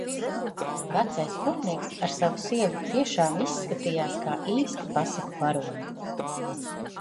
Vecais kurpnieks ar savu sievu tiešām izskatījās kā īsti pasaku varoņi.